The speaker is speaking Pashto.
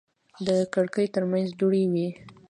د کړکۍ ترمنځ دوړې وې.